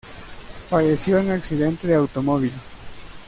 Falleció en accidente de automóvil.